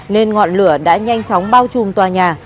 nên ngọn lửa đã nhanh chóng bao trùm tòa nhà